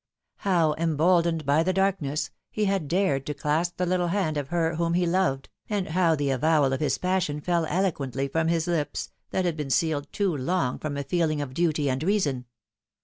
How, emboldened by the dark ness, he had dared to clasp the little hand of her whom he loved, and how the avowal of his passion fell elo quently from his lips, that had been sealed too long from a feeling of duty and reason.